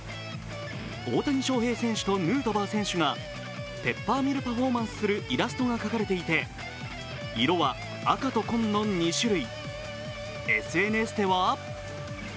大谷翔平選手とヌートバー選手がペッパーミルパフォーマンスをするイラストが描かれていて、色は赤と紺の２種類。